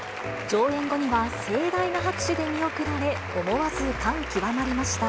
上演後には盛大な拍手で見送られ、思わず感極まりました。